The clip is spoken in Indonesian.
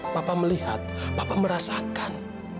papa melihat papa merasakan